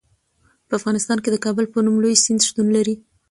په افغانستان کې د کابل په نوم لوی سیند شتون لري.